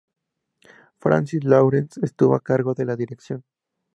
Francis Lawrence estuvo a cargo de la dirección.